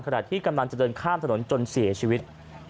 ขณะที่กำลังจะเดินข้ามถนนจนเสียชีวิต